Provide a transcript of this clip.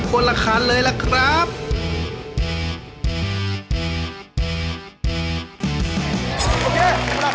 คนละคันเลยล่ะครับ